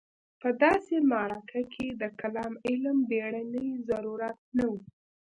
په داسې معرکه کې د کلام علم بېړنی ضرورت نه و.